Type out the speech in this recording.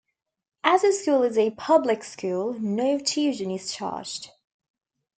As the school is a public school, no tuition is charged.